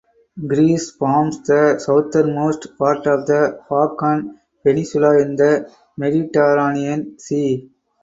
Greece forms the southernmost part of the Balkan peninsula in the Mediterranean Sea.